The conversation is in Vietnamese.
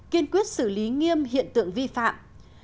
kiên quyết xử lý nghiêm hiện tượng vi phạm